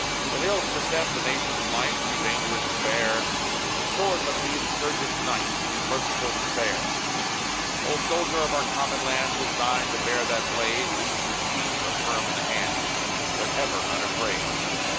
When ills beset the nation's life Too dangerous to bear, The sword must be the surgeon's knife, Too merciful to spare. O Soldier of our common land, 'Tis thine to bear that blade Loose in the sheath, or firm in hand, But ever unafraid.